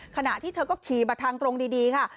ขณะที่เธอก็ขี่มาทางตรงดีค่ะ